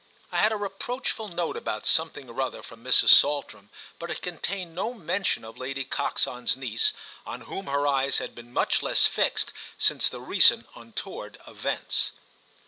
I had a reproachful note about something or other from Mrs. Saltram, but it contained no mention of Lady Coxon's niece, on whom her eyes had been much less fixed since the recent untoward events.